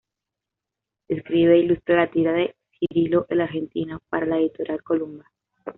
Escribe e ilustra la tira de "Cirilo El Argentino" para la Editorial Columba.